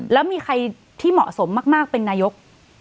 แล้วมีใครที่เหมาะสมมากเป็นนายก